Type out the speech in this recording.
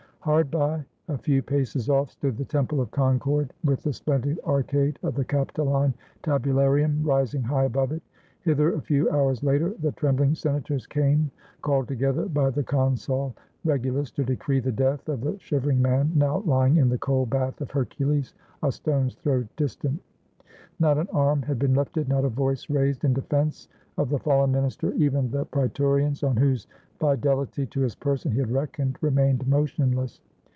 Hard by, a few paces off, stood the temple of Concord, with the splendid arcade of the Capitoline Tabularium rising high above it. Hither a few hours later the trem bling senators came, called together by the consul Regu lus to decree the death of the shivering man now lying in the "cold bath of Hercules," a stone's throw distant. Not an arm had been Hf ted, not a voice raised, in defense of the fallen minister ; even the praetorians, on whose fidel ity to his person he had reckoned, remained motionless.